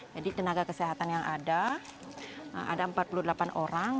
tenaga kesehatan yang ada ada empat puluh delapan orang